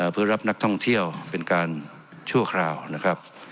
เพื่อรับนักท่องเที่ยวเป็นการชั่วคราวนะครับ